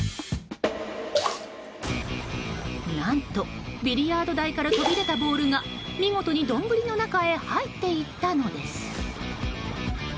何と、ビリヤード台から飛び出たボールが見事に丼の中へ入っていったのです。